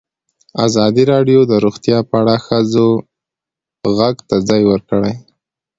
ازادي راډیو د روغتیا په اړه د ښځو غږ ته ځای ورکړی.